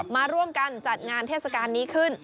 มาร่วมกันจัดงานเทศกาลนี้ขึ้น